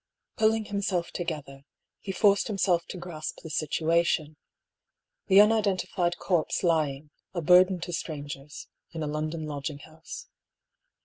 Pulling himself together, he forced himself to grasp the situation. The unidentified corpse lying, a burden to strangers, in a London lodging house.